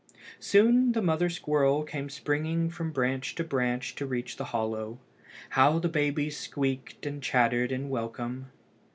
Soon the mother squirrel came springing from branch to branch to reach the hollow. How the babies squeaked and chattered in welcome!